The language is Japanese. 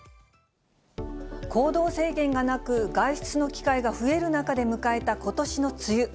行動制限がなく、外出の機会が増える中で迎えたことしの梅雨。